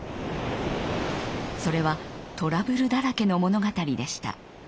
それはトラブルだらけの物語でした。